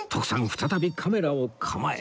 再びカメラを構え